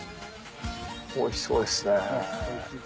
おいしそうですね。